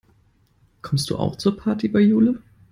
Kommst du auch zur Party bei Jule?